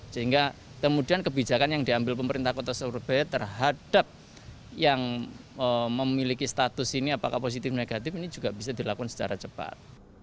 sehingga kemudian kebijakan yang diambil pemerintah kota surabaya terhadap yang memiliki status ini apakah positif negatif ini juga bisa dilakukan secara cepat